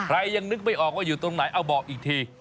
ยังนึกไม่ออกว่าอยู่ตรงไหนเอาบอกอีกที